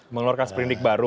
mengeluarkan sprinting baru